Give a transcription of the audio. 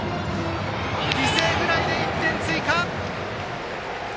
犠牲フライで１点追加！